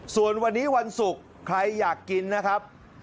ส่วนวันนี้วันศุกร์ใครอยากกินนะครับ